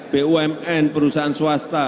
bumn perusahaan swasta